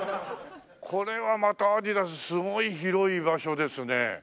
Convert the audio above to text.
これはまたアディダスすごい広い場所ですね。